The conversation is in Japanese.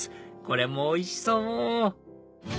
これもおいしそう！